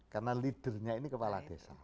karena leadernya ini kepala desa